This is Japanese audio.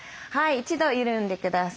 一度緩んでください。